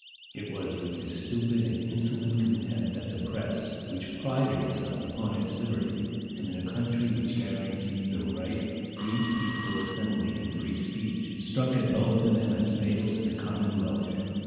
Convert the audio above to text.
It was with this stupid and insolent contempt that the press, which prided itself upon its liberty, and in a country which guaranteed the right of free peaceful assembly and free speech, struck at both of them as fatal to the common welfare.